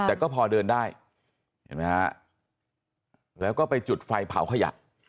แต่ก็พอเดินได้เห็นไหมฮะแล้วก็ไปจุดไฟเผาขยะ